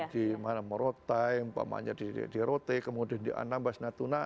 di maramorotai di rote kemudian di anambas natuna